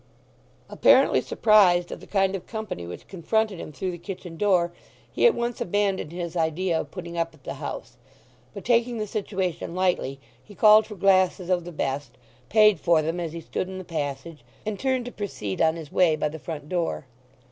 Apparently surprised at the kind of company which confronted him through the kitchen door, he at once abandoned his idea of putting up at the house; but taking the situation lightly, he called for glasses of the best, paid for them as he stood in the passage, and turned to proceed on his way by the front door.